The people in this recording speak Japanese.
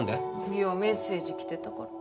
いやメッセージ来てたから。